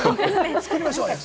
作りましょう。